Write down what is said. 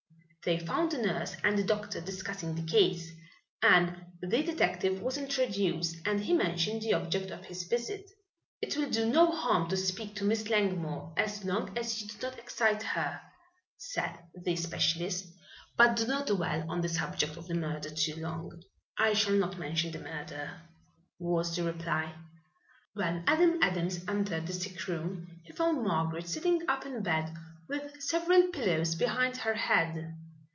They found the nurse and the doctor discussing the case, and the detective was introduced and he mentioned the object of his visit. "It will do no harm to speak to Miss Langmore so long as you do not excite her," said the specialist. "But do not dwell on the subject of the murder too long." "I shall not mention the murder," was the reply. When Adam Adams entered the sick room he found Margaret sitting up in bed with several pillows behind her head.